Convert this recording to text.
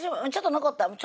「ちょっと残った」